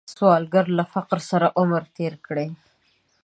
سوالګر له فقر سره عمر تیر کړی